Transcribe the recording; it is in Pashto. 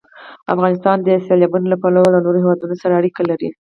افغانستان د سیلابونو له پلوه له نورو هېوادونو سره اړیکې لري.